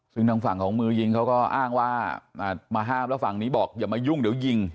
ซึ่งทางฝั่งของมือยิงเขาก็อ้างว่ามาห้ามแล้วฝั่งนี้บอกอย่ามายุ่งเดี๋ยวยิง